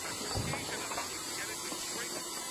که موضوع یوازي حفظ سي نو ژر هیره کیږي.